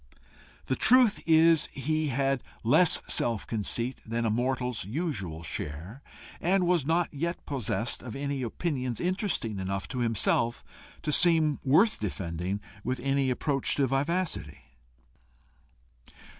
The truth is, he had less self conceit than a mortal's usual share, and was not yet possessed of any opinions interesting enough to himself to seem worth defending with any approach to vivacity.